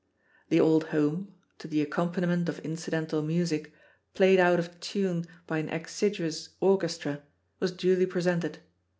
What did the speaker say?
The "Old Home," to the accompaniment of incidental music, played out of tune by an exiguous orches tra, was duly presented.